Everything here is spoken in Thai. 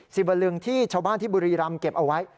บรรลึงที่ชาวบ้านที่บุรีรำเก็บเอาไว้